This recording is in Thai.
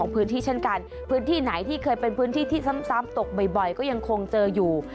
พื้นที่ไหนที่เคยเป็นพื้นที่ที่ซ้ำตกบ่อยก็ยังคงเจออยู่